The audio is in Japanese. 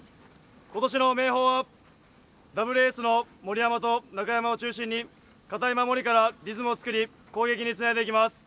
今年の明豊は、ダブルエースの森山と中山を中心に堅い守りからリズムを作り攻撃につないでいきます。